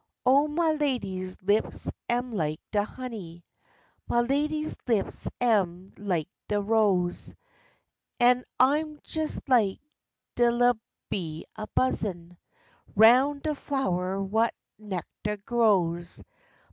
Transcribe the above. Oh, ma lady's lips am like de honey, Ma lady's lips am like de rose; An' I'm jes like de little bee a buzzin' 'Round de flower wha' de nectah grows.